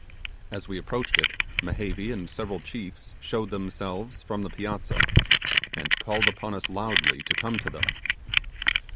As we approached it, Mehevi and several chiefs showed themselves from the piazza, and called upon us loudly to come to them.